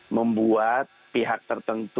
membuat pihak tertentu